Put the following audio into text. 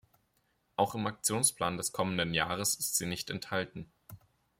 Auch im Aktionsplan des kommenden Jahres ist sie nicht enthalten.